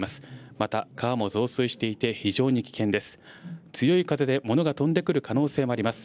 また川も増水していて非常に危険です。